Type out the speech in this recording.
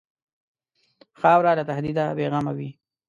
خاوره له تهدیده بېغمه وي.